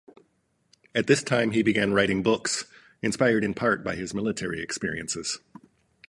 At this time, he began writing books, inspired in part by his military experiences.